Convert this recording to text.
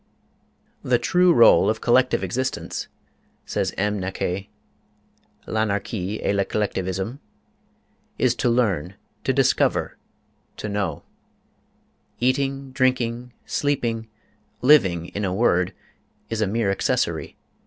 ``The true role of collective existence,'' says M. Naquet,'' ... is to learn, to discover, to know. Eating, drinking, sleeping, living, in a word, is a mere accessory.